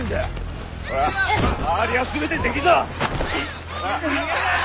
ほら周りは全て敵ぞ！